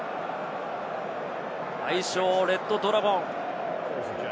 愛称、レッドドラゴン。